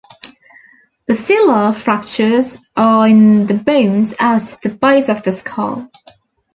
Basilar fractures are in the bones at the base of the skull.